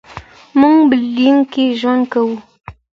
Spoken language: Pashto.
موږ برلین کې ژوند کوو.